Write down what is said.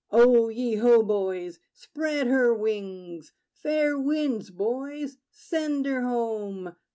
O ye ho, boys! Spread her wings! Fair winds, boys: send her home!